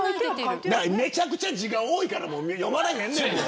めちゃくちゃ字が多いから読まれへんねん。